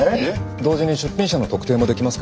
同時に出品者の特定もできますけど。